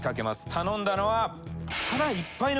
頼んだのは。